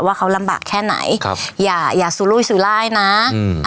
ว่าเขาลำบากแค่ไหนครับอย่าอย่าซูลุยสุรายนะอืม